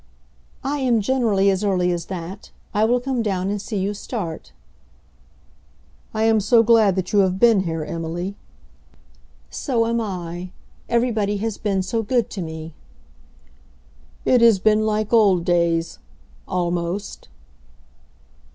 "I am generally as early as that. I will come down and see you start." "I am so glad that you have been here, Emily." "So am I. Everybody has been so good to me." "It has been like old days, almost."